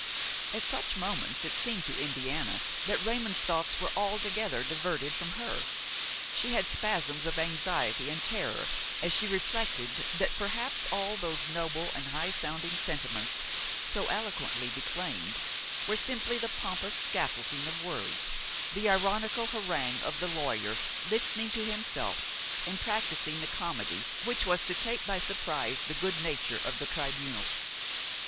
At such moments it seemed to Indiana that Raymon's thoughts were altogether diverted from her; she had spasms of anxiety and terror as she reflected that perhaps all those noble and high sounding sentiments so eloquently declaimed were simply the pompous scaffolding of words, the ironical harangue of the lawyer, listening to himself and practising the comedy which is to take by surprise the good nature of the tribunal.